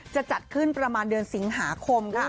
จะจัดขึ้นประมาณเดือนสิงหาคมค่ะ